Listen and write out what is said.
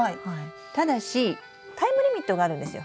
ただしタイムリミットがあるんですよ。